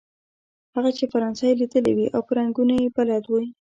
هغه چې فرانسه یې ليدلې وي او په رنګونو يې بلد وي.